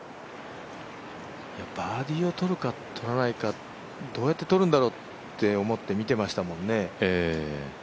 バーディーをとるかとらないか、どうやってとるんだろうって見てましたもんね。